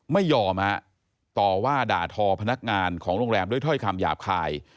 ไม่ยอมฮะต่อว่าด่าทอพนักงานของโรงแรมด้วยถ้อยคำหยาบคาย